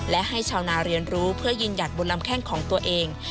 และให้ชาวนาเรียนรู้เพื่อยืนหยัดบนลำแข้งของตัวเอง